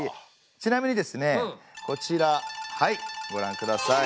ちなみにですねこちらはいごらんください。